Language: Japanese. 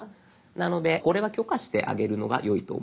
なのでこれは許可してあげるのがよいと思います。